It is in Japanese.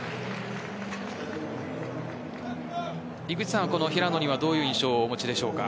井口さんは平野にはどういう印象をお持ちでしょうか？